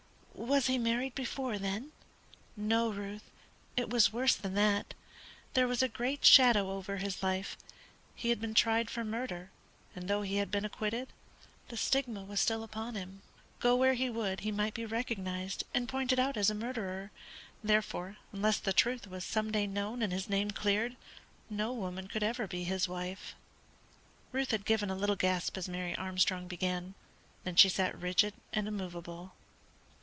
Was he married before, then?" "No, Ruth, it was worse than that; there was a great shadow over his life; he had been tried for murder, and though he had been acquitted, the stigma was still upon him. Go where he would he might be recognised and pointed out as a murderer; therefore, unless the truth was some day known and his name cleared, no woman could ever be his wife." Ruth had given a little gasp as Mary Armstrong began, then she sat rigid and immovable.